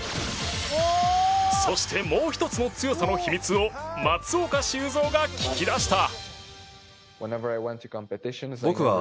そしてもう１つの強さの秘密を松岡修造が聞き出した。